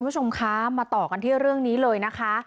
คุณผู้ชมคะมาต่อกันที่เรื่องนี้เลยนะคะ